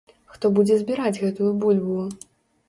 Хто будзе збіраць гэтую бульбу?